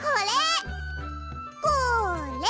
これ！